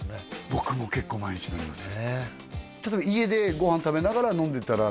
僕も結構毎日飲みます